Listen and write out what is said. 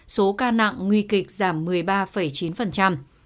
số ca nặng nguy kịch giảm một mươi ba chín